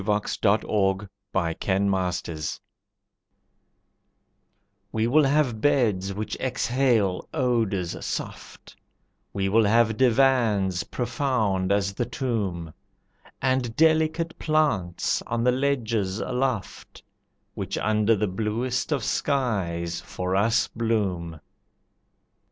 The Death of the Lovers We will have beds which exhale odours soft, We will have divans profound as the tomb, And delicate plants on the ledges aloft, Which under the bluest of skies for us bloom.